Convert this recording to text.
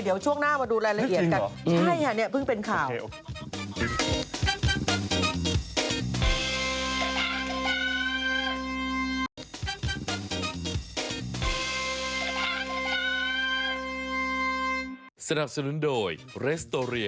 เดี๋ยวช่วงหน้ามาดูรายละเอียดกันนี่จริงเหรอ